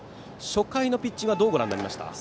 初回のピッチングはどうご覧になりますか。